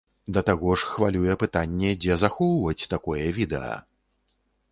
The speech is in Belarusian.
Да таго ж, хвалюе пытанне, дзе захоўваць такое відэа!